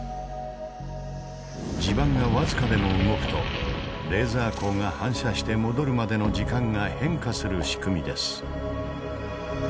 地盤が僅かでも動くとレーザー光が反射して戻るまでの時間が変化する仕組みです。